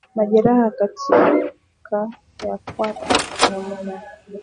Majeraha katikati ya kwato sehemu laini